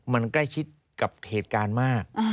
มันใกล้ชิดกับเหตุการณ์มาก